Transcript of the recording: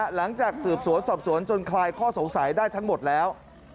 หลังจากสืบสวนสอบสวนจนคลายข้อสงสัยได้ทั้งหมดแล้ว